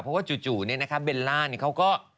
เพราะว่าจู่เนี่ยนะคะเบลล่าเขาก็